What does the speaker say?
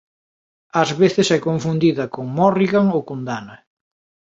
Ás veces é confundida con Morrigan ou con Dana.